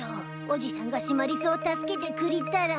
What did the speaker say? おじさんがシマリスを助けてくりたら。